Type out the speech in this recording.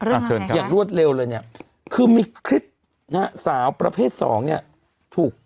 เรื่องอะไรคะอย่างรวดเร็วเลยเนี่ยคือมีคลิปสาวประเภทสองเนี่ยถูก